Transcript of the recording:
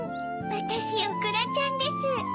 わたしおくらちゃんです。